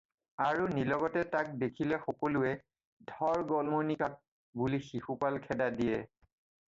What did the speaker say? আৰু নিলগতে তাক দেখিলে সকলোৱে "ধৰ গলমণিকাক" বুলি শিশুপাল খেদা দিয়ে।